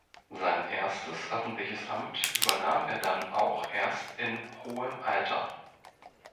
Sein erstes öffentliches Amt übernahm er dann auch erst in hohem Alter.